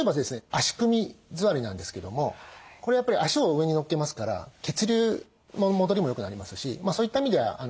足組み座りなんですけどもこれやっぱり足を上にのっけますから血流も戻りも良くなりますしそういった意味では非常に楽な姿勢。